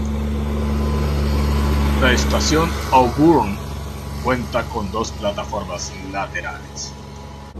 La estación Auburn cuenta con dos plataformas laterales.